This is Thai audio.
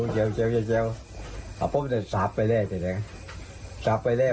แต่แบบว่าป่าวดิ้งไว้